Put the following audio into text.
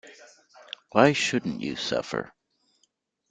Why shouldn’t you suffer?